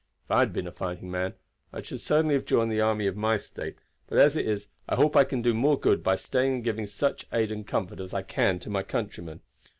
If I had been a fighting man I should certainly have joined the army of my State; but as it is, I hope I can do more good by staying and giving such aid and comfort as I can to my countrymen.